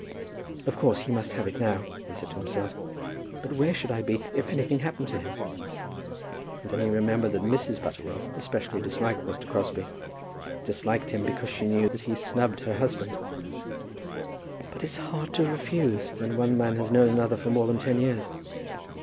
"Of course he must have it now," he said to himself. "But where should I be if anything happened to him?" And then he remembered that Mrs. Butterwell especially disliked Mr. Crosbie, disliked him because she knew that he snubbed her husband. "But it's hard to refuse, when one man has known another for more than ten years."